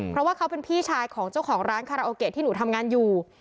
เพราะว่าเขาเป็นพี่ชายของเจ้าของร้านคาราโอเกะที่หนูทำงานอยู่